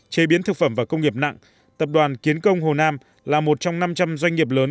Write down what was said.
chế biến thực phẩm và công nghiệp nặng tập đoàn kiến công hồ nam là một trong năm trăm linh doanh nghiệp lớn